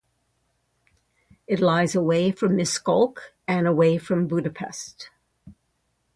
It lies away from Miskolc, and away from Budapest.